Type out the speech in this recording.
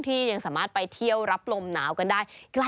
ยังสามารถไปเที่ยวรับลมหนาวกันได้